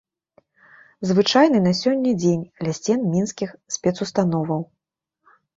Звычайны на сёння дзень ля сцен мінскіх спецустановаў.